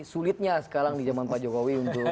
sulitnya sekarang di zaman pak jokowi untuk